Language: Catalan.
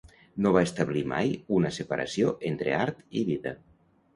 No va establir mai una separació entre art i vida.